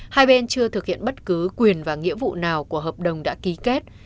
hai bên chưa thực hiện bất cứ quyền và nghĩa vụ nào của hợp đồng đã ký kết